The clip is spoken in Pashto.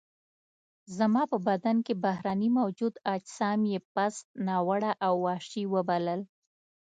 زما په بدن کې بهرني موجود اجسام یې پست، ناوړه او وحشي وبلل.